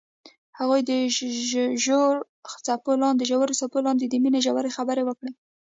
هغوی د ژور څپو لاندې د مینې ژورې خبرې وکړې.